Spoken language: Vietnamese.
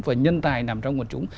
và nhân tài nằm trong quần chúng